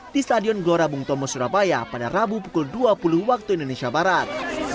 di stadion glora bung tomo surabaya pada rabu pukul dua puluh waktu indonesia barat